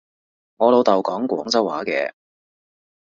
我老豆講廣州話嘅